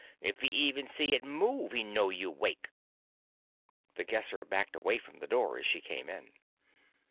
If he even see it move, he know you wake." The Guesser backed away from the door as she came in.